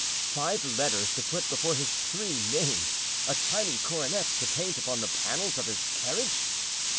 five letters to put before his three names, a tiny coronet to paint upon the panels of his carriage!